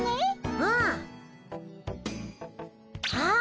うん。あっ！